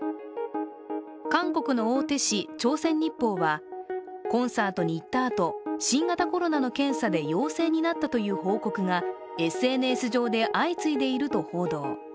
韓国の大手紙「朝鮮日報」は、コンサートに行ったあと、新型コロナの検査で陽性になったという報告がＳＮＳ上で相次いでいると報道。